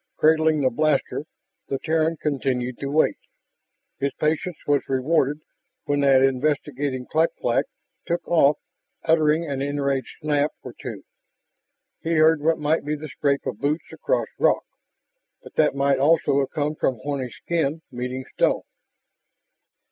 Cradling the blaster, the Terran continued to wait. His patience was rewarded when that investigating clak clak took off uttering an enraged snap or two. He heard what might be the scrape of boots across rock, but that might also have come from horny skin meeting stone.